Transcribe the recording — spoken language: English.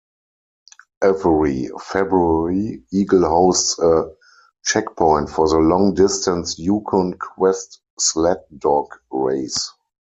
Every February, Eagle hosts a checkpoint for the long-distance Yukon Quest sled dog race.